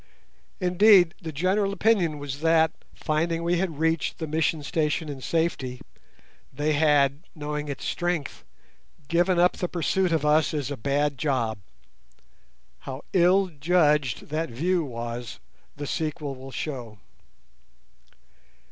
Indeed, the general opinion was that, finding we had reached the mission station in safety, they had, knowing its strength, given up the pursuit of us as a bad job. How ill judged that view was the sequel will show.